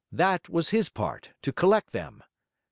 That was his part, to collect them.